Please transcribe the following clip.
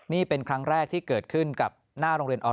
นี่เป็นครั้งแรกที่เกิดขึ้น